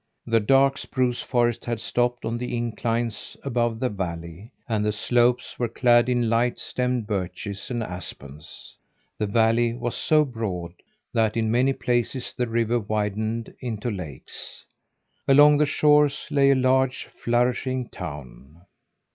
The dark spruce forest had stopped on the inclines above the valley, and the slopes were clad in light stemmed birches and aspens. The valley was so broad that in many places the river widened into lakes. Along the shores lay a large flourishing town.